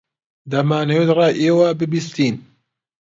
دەمانەوێت ڕای ئێوە ببیستین.